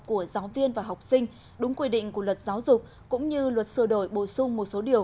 của giáo viên và học sinh đúng quy định của luật giáo dục cũng như luật sửa đổi bổ sung một số điều